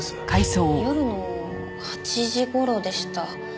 夜の８時頃でした。